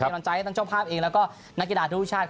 กำลังใจให้ทั้งเจ้าภาพเองแล้วก็นักกีฬาทุกชาติ